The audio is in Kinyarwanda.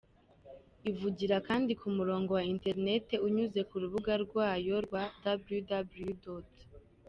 Ivugira kandi ku murongo wa Internet unyuze ku rubuga rwayo rwa www.